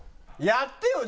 やってよ？